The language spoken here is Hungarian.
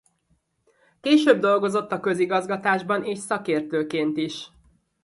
Később dolgozott a közigazgatásban és szakértőként is.